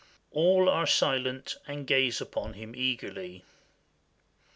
All are silent and gaze upon him eagerly.